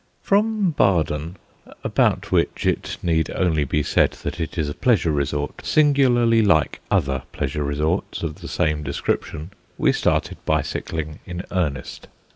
From Baden, about which it need only be said that it is a pleasure resort singularly like other pleasure resorts of the same description, we started bicycling in earnest.